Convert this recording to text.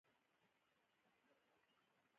چې دومره ډېرې پيسې يې څنگه راکړې.